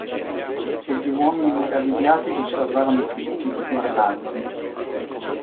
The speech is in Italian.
E gli uomini meravigliati li osservarono tutti, guardandoli.